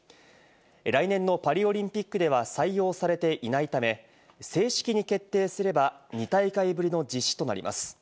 来年のパリオリンピックでは採用されていないため、正式に決定すれば２大会ぶりの実施となります。